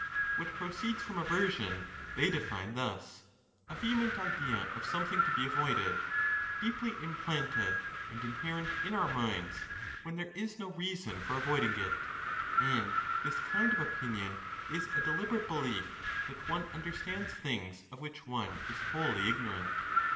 What proceeds from aversion, they define thus: 'a vehement idea of something to be avoided, deep ly implanted, and inherent in our minds, when there is no reason for avoiding it; and this kind of opinion is a de 138 THE TUSCULAN DISPUTATIONS. liberate belief that one understands things of which one is wholly ignorant.